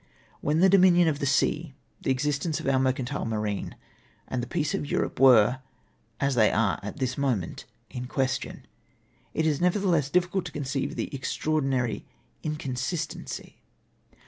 When the dominion of the sea, the existence of our mercantile marine, and the peace of Europe were — as they are at this moment — in question, it is nevertheless difficult to conceive this extraordinary inconsistency.